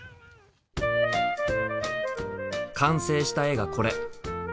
完成した絵がこれ！